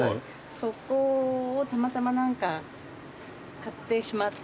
そこをたまたま買ってしまって。